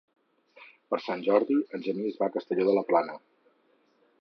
Per Sant Jordi en Genís va a Castelló de la Plana.